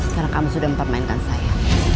karena kamu sudah mempermainkan saya